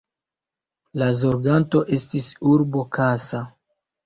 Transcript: La zorganto estis urbo Kassa.